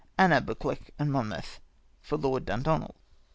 " Anna Buccleuch and Monmouth. " For Lord Dundonald."